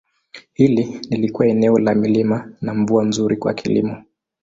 Hili lilikuwa eneo la milima na mvua nzuri kwa kilimo.